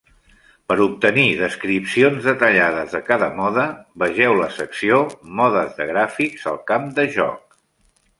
Per obtenir descripcions detallades de cada mode, vegeu la secció "Modes de gràfics al camp de joc".